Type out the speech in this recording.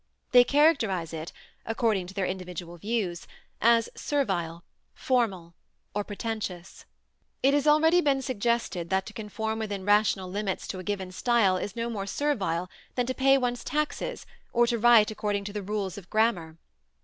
They characterize it, according to their individual views, as "servile," "formal," or "pretentious." It has already been suggested that to conform within rational limits to a given style is no more servile than to pay one's taxes or to write according to the rules of grammar.